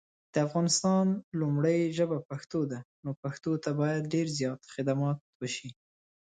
د افغانستان لومړی ژبه پښتو ده نو پښتو ته باید دیر زیات خدمات وشي